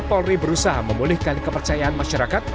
polri berusaha memulihkan kepercayaan masyarakat